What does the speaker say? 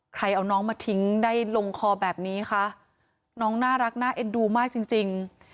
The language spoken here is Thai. เอาน้องมาทิ้งได้ลงคอแบบนี้คะน้องน่ารักน่าเอ็นดูมากจริงจริง